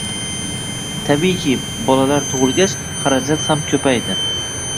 Tabiiyki, bolalar tug`ilgach, xarajatlar ham ko`paydi